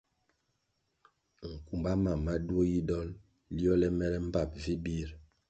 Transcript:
Nkumba mam ma duo yi dol liole mere mbpap vi bir.